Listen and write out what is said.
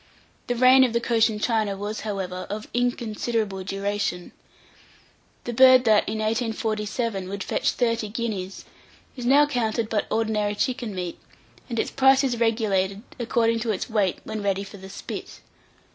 The reign of the Cochin China was, however, of inconsiderable duration. The bird that, in 1847, would fetch thirty guineas, is now counted but ordinary chicken meat, and its price is regulated according to its weight when ready for the spit.